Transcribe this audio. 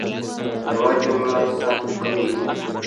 يوه جمله ثبت کړئ.